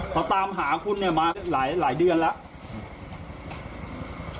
เขาตามหาคุณเนี่ยมาหลายเดือนแล้ว